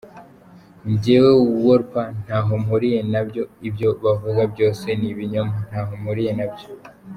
Njyewe Wolper ntaho mpuriye nabyo… ibyo bavuga byose ni ibinyoma ntaho mpuriye nabyo.